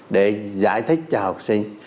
để giải thích cho học sinh